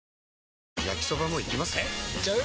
えいっちゃう？